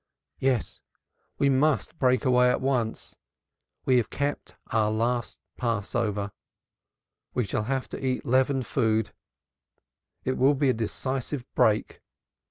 "Yes, we must break away at once. We have kept our last Passover. We shall have to eat leavened food it will be a decisive break.